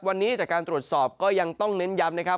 วันนี้จากการตรวจสอบก็ยังต้องเน้นย้ำนะครับ